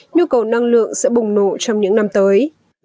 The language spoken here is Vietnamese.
nhu cầu năng lượng sẽ bùng nổ trong những năm tới